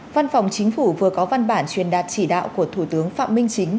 văn phòng chính phủ vừa có văn bản truyền đạt chỉ đạo của thủ tướng phạm minh chính